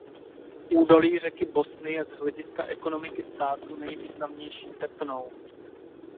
Údolí řeky Bosny je z hlediska ekonomiky státu nejvýznamnější tepnou.